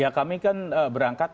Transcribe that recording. ya kami kan berangkat